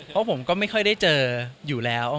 เพราะผมก็ไม่ค่อยได้เจออยู่แล้ว